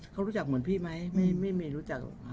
เค้ารู้จักเหมือนที่ด้วยไหมไม่รู้จัก